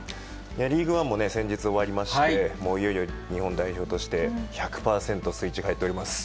リーグワンも先日終わりまして、もういよいよ日本代表として、１００％スイッチ入っております。